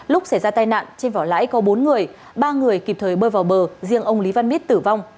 lúc xảy ra tai nạn trên vỏ lãi có bốn người ba người kịp thời bơi vào bờ riêng ông lý văn mít tử vong